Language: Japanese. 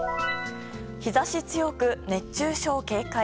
日差し強く、熱中症警戒。